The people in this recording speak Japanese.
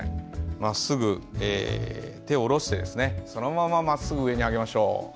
まっすぐ手を下ろして、そのまままっすぐ上に上げましょう。